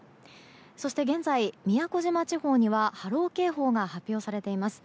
そして現在、宮古島地方には波浪警報が発表されています。